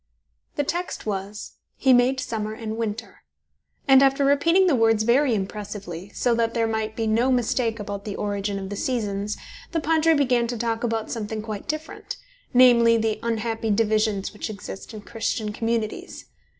The text was: "He made summer and winter", and after repeating the words very impressively, so that there might be no mistake about the origin of the seasons, the Padre began to talk about something quite different namely, the unhappy divisions which exist in Christian communities.